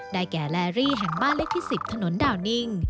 แก่แลรี่แห่งบ้านเลขที่๑๐ถนนดาวนิ่ง